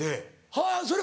はぁそれ